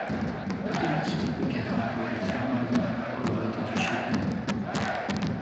The dynasty began with the founding of the Medici Bank.